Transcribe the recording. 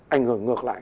ảnh hưởng ngược lại